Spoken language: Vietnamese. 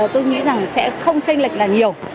tôi nghĩ rằng sẽ không tranh lệch là nhiều